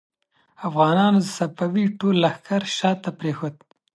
افغانانو د صفوي ټول لښکر شا ته پرېښود.